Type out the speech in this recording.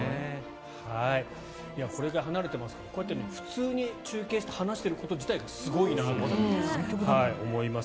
これくらい離れてますからこうやって普通に中継で話していること自体がすごいことだなと思います。